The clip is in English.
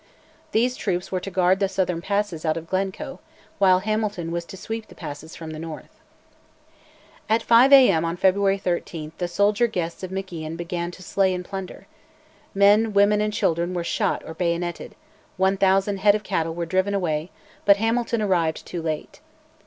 These troops were to guard the southern passes out of Glencoe, while Hamilton was to sweep the passes from the north. At 5 A.M. on February 13 the soldier guests of MacIan began to slay and plunder. Men, women, and children were shot or bayoneted, 1000 head of cattle were driven away; but Hamilton arrived too late.